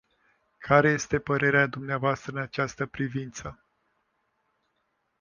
Care este părerea dvs. în această privință?